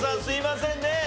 すいませんね。